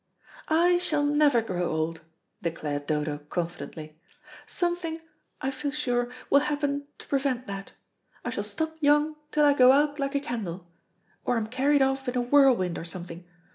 "I shall never grow old," declared Dodo confidently. "Something, I feel sure, will happen to prevent that. I shall stop young till I go out like a candle, or am carried off in a whirlwind or something.